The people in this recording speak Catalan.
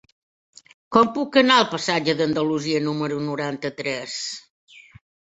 Com puc anar al passatge d'Andalusia número noranta-tres?